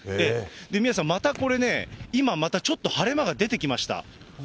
宮根さん、今、またこれね、今、またちょっと晴れ間が出てきました。